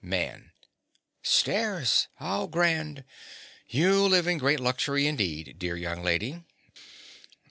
MAN. Stairs! How grand! You live in great luxury indeed, dear young lady.